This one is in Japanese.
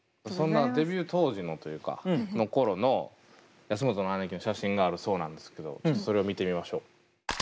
そんなデビュー当時のというかそのころの安本の姉貴の写真があるそうなんですけどちょっとそれを見てみましょう。